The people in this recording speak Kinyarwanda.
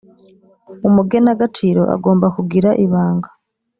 Umugenagaciro agomba kugira ibanga